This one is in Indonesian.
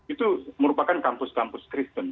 itu merupakan kampus kampus kristen